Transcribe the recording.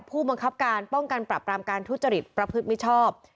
ผู้บังคับการป้องกันปรับรามการทุจริตประพฤติมิชชอบ